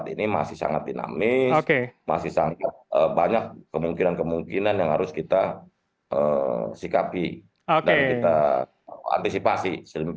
dua ribu dua puluh empat ini masih sangat dinamis masih banyak kemungkinan kemungkinan yang harus kita sikapi dan kita antisipasi